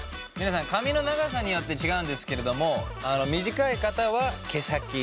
皆さん髪の長さによって違うんですけれども短い方は毛先。